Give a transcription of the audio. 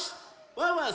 ワンワン